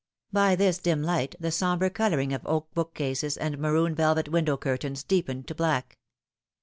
By this dim light the sombre colouring of oak bookcases and maroon velvet window curtains deepened to black.